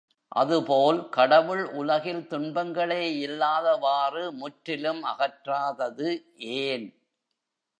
அதுபோல், கடவுள் உலகில் துன்பங்களே இல்லாதவாறு முற்றிலும் அகற்றாதது ஏன்?